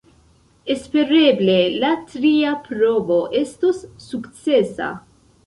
Espereble la tria provo estos sukcesa.